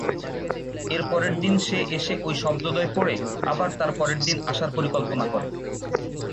এর পরের দিন সে এসে ঐ শব্দদ্বয় পড়ে আবার তার পরের দিন আসার পরিকল্পনা করে।